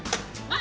あ！